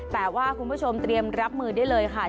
แต่ว่าคุณผู้ชมเตรียมรับมือได้เลยค่ะ